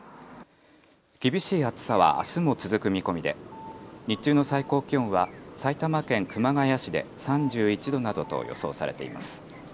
厳しい暑さはあすも続く見込みで日中の最高気温は埼玉県熊谷市で３１度などと予想されています。